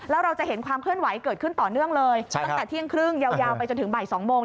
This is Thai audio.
แล้วเราจะเห็นความเคลื่อนไหวเกิดขึ้นต่อเนื่องเลยตั้งแต่เที่ยงครึ่งยาวไปจนถึงบ่าย๒โมง